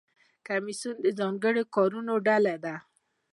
کمیسیون د ځانګړو کارونو ډله ده